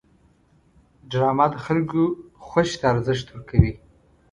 ډرامه د خلکو خوښې ته ارزښت ورکوي